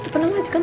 tenang aja kan